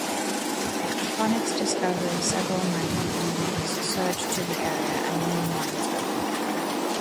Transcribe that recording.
Upon its discovery several mining companies surged to the area and many mines opened.